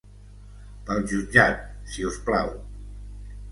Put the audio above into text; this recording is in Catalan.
Pel jutjat, si us plau.